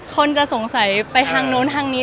คนจะสงสัยไปทางนู้นทางนี้